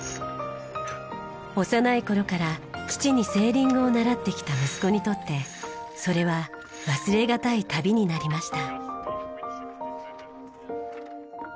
幼い頃から父にセーリングを習ってきた息子にとってそれは忘れがたい旅になりました。